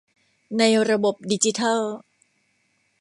ในระบบดิจิทัล